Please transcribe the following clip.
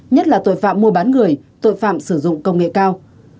nhất là tội phạm mua bán người tội phạm sử dụng công nghệ cao